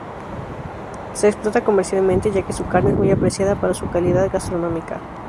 Se explota comercialmente ya que su carne es muy apreciada por su calidad gastronómica.